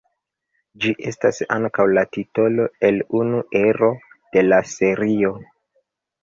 Ĝi estas ankaŭ la titolo el unu ero de la serio.